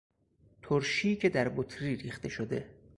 ترشی که در بطری ریخته شده